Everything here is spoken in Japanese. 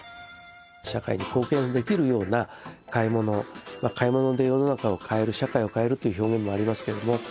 社会に貢献できるような買い物買い物で世の中を変える社会を変えるという表現もありますけれども。